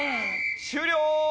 終了！